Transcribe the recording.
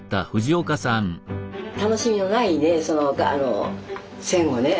楽しみのない戦後ね